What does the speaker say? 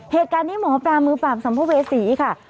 เหตุการณ์นี้หมอปลามือปราบสัมภเวษีค่ะ